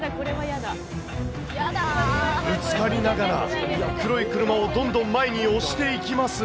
ぶつかりながら、黒い車をどんどん前に押していきます。